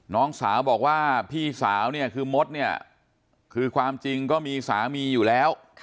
น้องสาวบอกว่าพี่สาวเนี่ยคือมดเนี่ยคือความจริงก็มีสามีอยู่แล้ว